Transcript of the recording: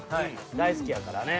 大好きやからね。